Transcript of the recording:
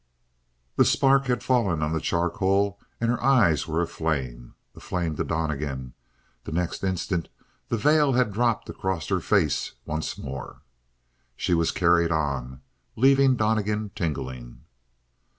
The spark had fallen on the charcoal, and her eyes were aflame. Aflame to Donnegan; the next instant the veil had dropped across her face once more. She was carried on, leaving Donnegan tingling.